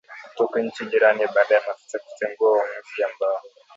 kutoka nchi jirani baada ya maafisa kutengua uamuzi ambao